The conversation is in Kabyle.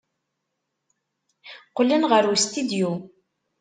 Qqlen ɣer ustidyu.